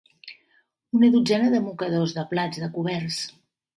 Una dotzena de mocadors, de plats, de coberts.